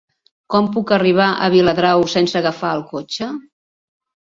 Com puc arribar a Viladrau sense agafar el cotxe?